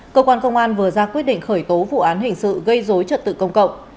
cơ quan công an vừa ra quyết định khởi tố vụ án hình sự gây dối trật tự công cộng